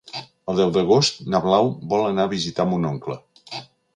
El deu d'agost na Blau vol anar a visitar mon oncle.